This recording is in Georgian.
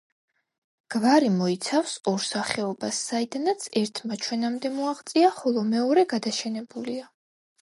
გვარი მოიცავს ორ სახეობას, საიდანაც ერთმა ჩვენამდე მოაღწია, ხოლო მეორე გადაშენებულია.